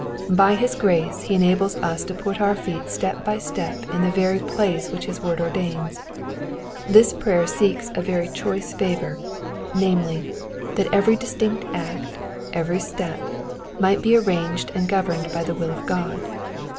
'* By his grace he enables us to put our feet step by step in the very place wliich his word ordains. This prayer seeks a very choice favour, namely, that every distinct act, every step, might be arranged and governed by the will of God.